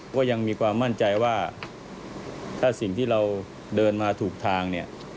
ก็ยังมีความมั่นใจว่าถ้าสิ่งที่เราเดินมาถูกทางเนี่ย